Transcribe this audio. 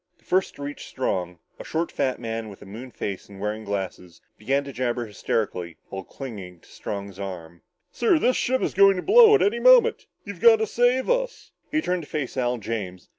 The first to reach Strong, a short fat man with a moonface and wearing glasses, began to jabber hysterically, while clinging to Strong's arm. "Sir, this ship is going to blow up any moment. You've got to save us!" He turned to face Al James.